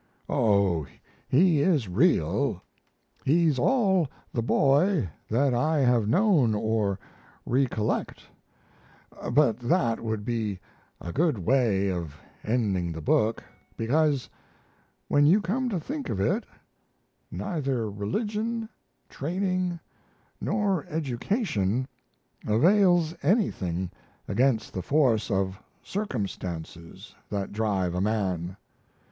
"Oh, he is real. He's all the boy that I have known or recollect; but that would be a good way of ending the book because, when you come to think of it, neither religion, training, nor education avails anything against the force of circumstances that drive a man.